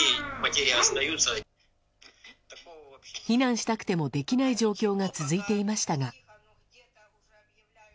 避難したくてもできない状況が続いていましたが。